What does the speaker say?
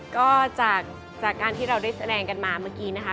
ก็จากการที่เราได้แสดงกันมาเมื่อกี้นะคะ